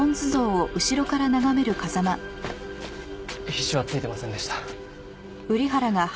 皮脂は付いてませんでした。